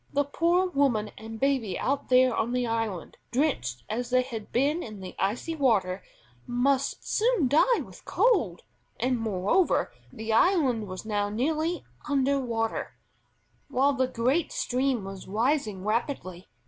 The poor woman and baby out there on the island, drenched as they had been in the icy water, must soon die with cold, and, moreover, the island was now nearly under water, while the great stream was rising rapidly.